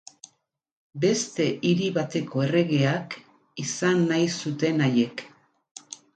Beste hiri bateko erregeak izan nahi zuten haiek.